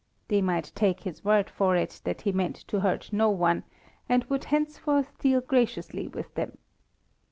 They might take his word for it that he meant to hurt no one, and would henceforth deal graciously with them.